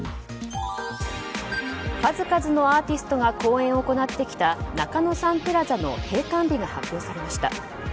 数々のアーティストが公演を行ってきた中野サンプラザの閉館日が発表されました。